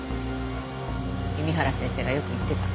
弓原先生がよく言ってた。